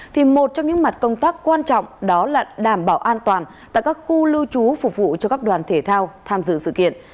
thì một trong những mặt công tác quan trọng đó là đảm bảo an toàn tại các khu lưu trú phục vụ cho các đoàn thể thao tham dự sự kiện